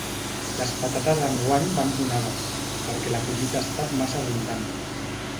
Les patates enguany van donades, perquè la collita ha estat massa abundant.